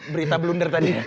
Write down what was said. berita blunder tadi ya